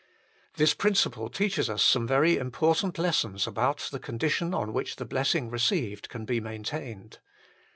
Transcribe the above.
This principle teaches us some very important lessons about the condition on which the blessing received can be maintained.